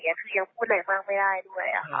คือยังพูดอะไรมากไม่ได้ด้วยค่ะ